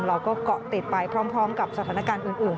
เราก็เกาะติดไปพร้อมกับสถานการณ์อื่น